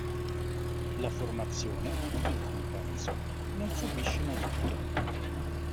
La formazione, in compenso, non subisce modifiche.